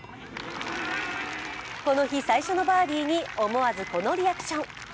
この日最初のバーディーに思わずこのリアクション。